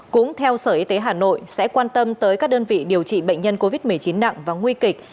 cũng theo sở y tế hà nội sẽ quan tâm tới các đơn vị điều trị bệnh nhân covid một mươi chín nặng và nguy kịch